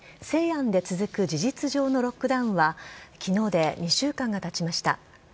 西安で続く事実上のロックダウンは昨日で２週間がたちました。